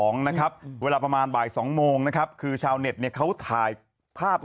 นะครับเวลาประมาณบ่ายสองโมงนะครับคือชาวเน็ตเนี่ยเขาถ่ายภาพ